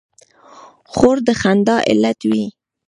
خور د خندا علت وي.